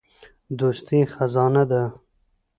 دوستي خزانه ده.